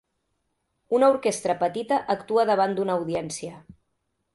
una orquestra petita actua davant d'una audiència.